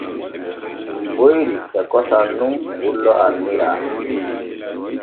Boyri e kosam nun pullo anniara.